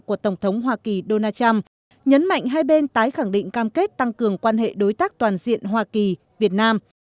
của tổng thống hoa kỳ donald trump nhấn mạnh hai bên tái khẳng định cam kết tăng cường quan hệ đối tác toàn diện hoa kỳ việt nam